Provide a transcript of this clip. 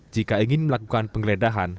jika ingin melakukan penggeledahan